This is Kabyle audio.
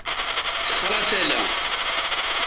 Texṛa tala.